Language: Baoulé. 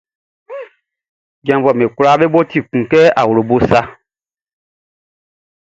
Janvuɛʼm be kwlaa be bo ti kun kɛ awlobo sa.